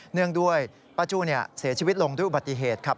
เนื่องด้วยป้าจู้เสียชีวิตลงด้วยอุบัติเหตุครับ